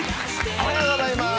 おはようございます。